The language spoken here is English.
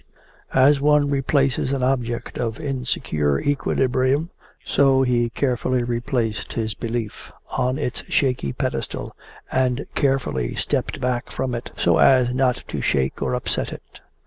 As one replaces an object of insecure equilibrium, so he carefully replaced his belief on its shaky pedestal and carefully stepped back from it so as not to shake or upset it.